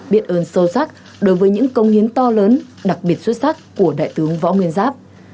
biện ơn sâu sắc đối với những công hiến to lớn đặc biệt xuất sắc của đại tướng võ nguyên giáp